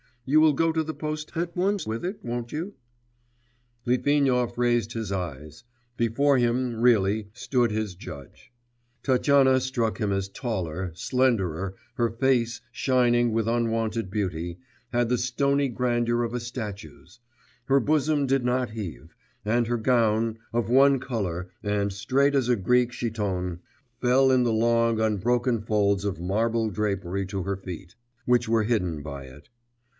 You will go to the post at once with it, won't you?' Litvinov raised his eyes.... Before him, really, stood his judge. Tatyana struck him as taller, slenderer; her face, shining with unwonted beauty, had the stony grandeur of a statue's; her bosom did not heave, and her gown, of one colour and straight as a Greek chiton, fell in the long, unbroken folds of marble drapery to her feet, which were hidden by it.